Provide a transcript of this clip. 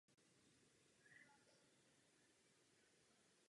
Naopak kroje na Slovácku nebo Valašsku vykazují vlivy východního oblékání.